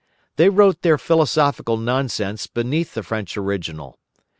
They wrote their philosophical nonsense beneath the French original.